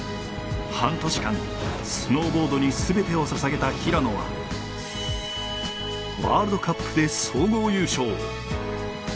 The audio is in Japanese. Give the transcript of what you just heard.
半年間、スノーボードに全てを捧げた平野はワールドカップで総合優勝。